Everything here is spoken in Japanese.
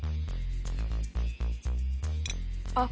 あっ！